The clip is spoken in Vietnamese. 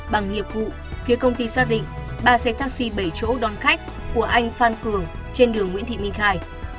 bằng nghiệp vụ phía công ty xác định ba xe taxi bảy chỗ đón khách của anh phan cường trên đường nguyễn thị minh khai